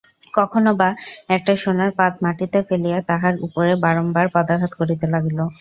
কখনো বা একটা সোনার পাত মাটিতে ফেলিয়া তাহার উপরে বারম্বার পদাঘাত করিতে লাগিল।